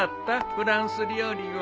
フランス料理は。